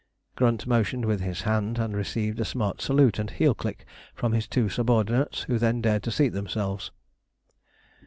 Grunt motioned with his hand, and received a smart salute and heel click from his two subordinates, who then dared to seat themselves.